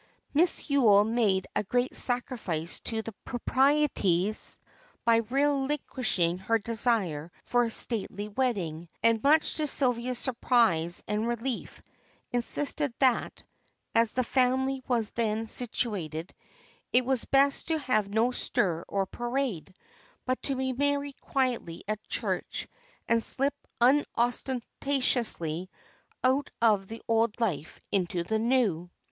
Miss Yule made a great sacrifice to the proprieties by relinquishing her desire for a stately wedding, and much to Sylvia's surprise and relief, insisted that, as the family was then situated, it was best to have no stir or parade, but to be married quietly at church and slip unostentatiously out of the old life into the new.